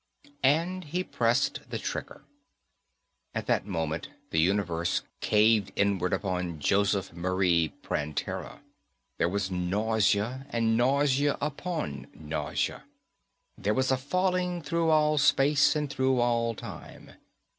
And he pressed the trigger. And at that moment, the universe caved inward upon Joseph Marie Prantera. There was nausea and nausea upon nausea. There was a falling through all space and through all time.